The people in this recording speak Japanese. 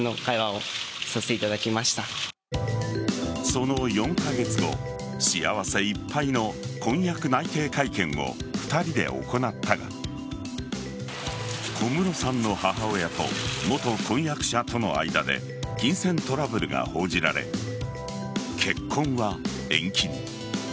その４カ月後幸せいっぱいの婚約内定会見を２人で行ったが小室さんの母親と元婚約者との間で金銭トラブルが報じられ結婚は延期に。